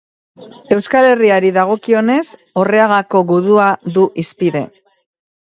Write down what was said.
Euskal Herriari dagokionez, Orreagako gudua du hizpide.